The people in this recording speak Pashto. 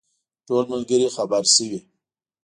ټول ملګري خبر شوي.